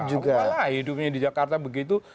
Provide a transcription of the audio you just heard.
apalah hidupnya di jakarta begitu